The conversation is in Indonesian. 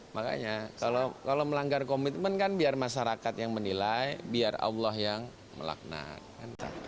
makanya kalau melanggar komitmen kan biar masyarakat yang menilai biar allah yang melaknat